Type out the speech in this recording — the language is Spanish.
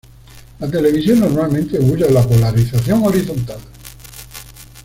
La televisión normalmente usa la polarización horizontal.